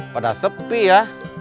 pada sepi ya